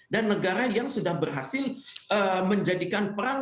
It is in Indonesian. dan negara yang sudah berhasil menjadikan perang